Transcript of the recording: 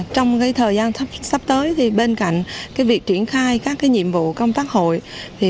trong thời gian sắp tới bên cạnh việc triển khai các nhiệm vụ công tác hội